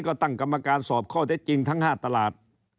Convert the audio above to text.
ก็ตั้งกรรมการสอบข้อเท็จจริงทั้ง๕ตลาด